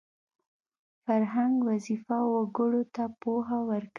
فرهنګ وظیفه وګړو ته پوهه ورکوي